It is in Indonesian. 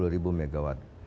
dua puluh ribu megawatt